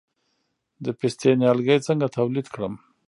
د پستې نیالګي څنګه تولید کړم؟